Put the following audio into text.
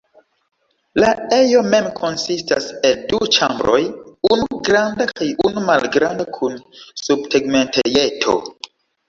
La ejo mem konsistas el du ĉambroj, unu granda kaj unu malgranda kun subtegmentejeto.